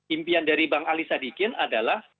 impian dari bang ali sadikin adalah